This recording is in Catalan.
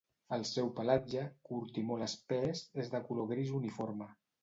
El seu pelatge, curt i molt espès, és de color gris uniforme.